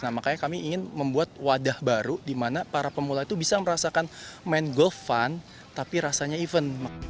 nah makanya kami ingin membuat wadah baru di mana para pemula itu bisa merasakan main golf fun tapi rasanya event